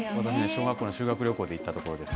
小学校の修学旅行で行った所です。